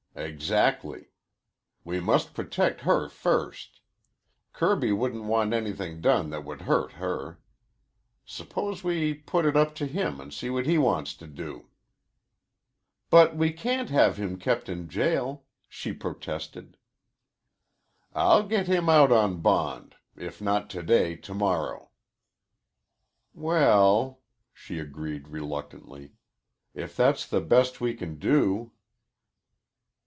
"Exactly. We must protect her first. Kirby wouldn't want anything done that would hurt her. Suppose we put it up to him and see what he wants to do." "But we can't have him kept in jail," she protested. "I'll get him out on bond; if not to day, tomorrow." "Well," she agreed reluctantly. "If that's the best we can do."